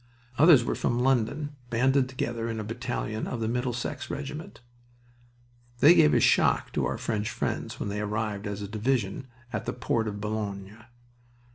Others were from London, banded together in a battalion of the Middlesex Regiment. They gave a shock to our French friends when they arrived as a division at the port of Boulogne.